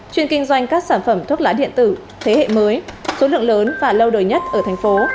chuyên kinh doanh các sản phẩm thuốc lá điện tử thế hệ mới số lượng lớn và lâu đời nhất ở thành phố